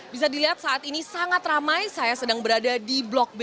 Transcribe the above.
bisa dilihat saat ini sangat ramai saya sedang berada di blok b